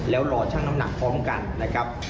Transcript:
แล้วรอชั่งน้ำหนักพร้อมกันนะครับ